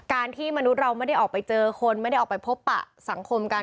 ที่มนุษย์เราไม่ได้ออกไปเจอคนไม่ได้ออกไปพบปะสังคมกัน